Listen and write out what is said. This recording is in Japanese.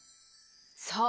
そう。